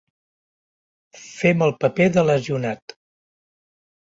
Fem el paper del lesionat.